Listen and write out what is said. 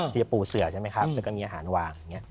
ที่จะปูเสือกใช่ไหมครับแล้วก็มีอาหารวาง